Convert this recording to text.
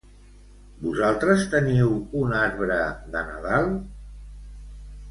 Vosaltres teniu un arbre de Nadal?